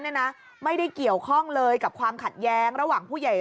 เนี่ยนะไม่ได้เกี่ยวข้องเลยกับความขัดแย้งระหว่างผู้ใหญ่